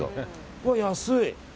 うわ、安い！